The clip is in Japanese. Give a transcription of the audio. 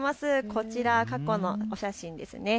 こちら、過去のお写真ですね。